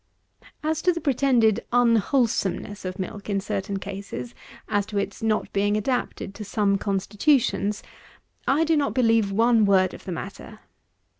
136. As to the pretended unwholesomeness of milk in certain cases; as to its not being adapted to some constitutions, I do not believe one word of the matter.